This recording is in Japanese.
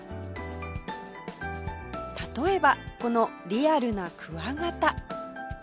例えばこのリアルなクワガタ